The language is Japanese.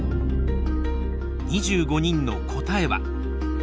２５人の答えは。